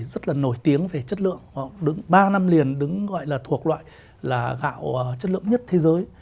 rất là nổi tiếng về chất lượng đứng ba năm liền đứng gọi là thuộc loại là gạo chất lượng nhất thế giới